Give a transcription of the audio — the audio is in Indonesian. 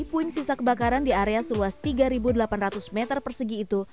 puing sisa kebakaran di area seluas tiga delapan ratus meter persegi itu